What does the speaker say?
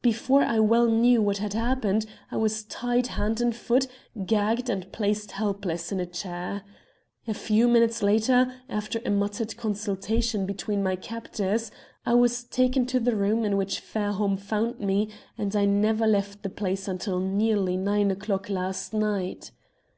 Before I well knew what had happened I was tied hand and foot, gagged, and placed helpless in a chair. A few minutes later, after a muttered consultation between my captors, I was taken to the room in which Fairholme found me, and I never left the place until nearly nine o'clock last night.